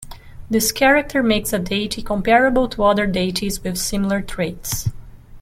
This character makes a deity comparable to other deities with similar traits.